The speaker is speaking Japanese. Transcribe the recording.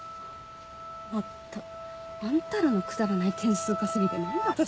まったくあんたらのくだらない点数稼ぎで何で私が。